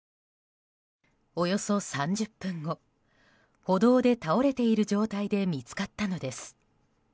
およそ３０分後歩道で倒れている状態で見つかったのです。